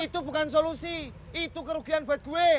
itu bukan solusi itu kerugian buat gue